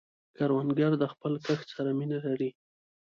کروندګر د خپل کښت سره مینه لري